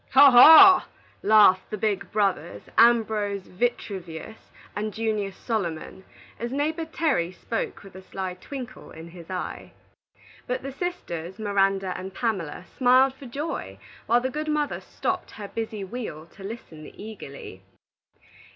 "Haw! haw!" laughed the big brothers, Ambrose Vitruvius and Junius Solomon, as neighbor Terry spoke with a sly twinkle in his eye. But the sisters, Miranda and Pamela, smiled for joy, while the good mother stopped her busy wheel to listen eagerly.